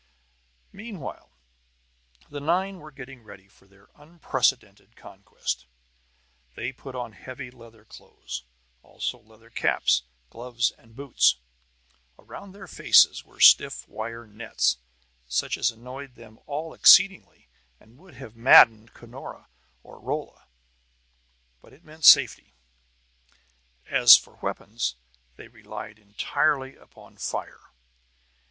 Meanwhile the nine were getting ready for their unprecedented conquest. They put on heavy leather clothes, also leather caps, gloves and boots. Around their faces were stiff wire nets, such as annoyed them all exceedingly and would have maddened Cunora or Rolla. But it meant safety. As for weapons, they relied entirely upon fire.